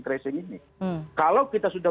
tracing ini kalau kita sudah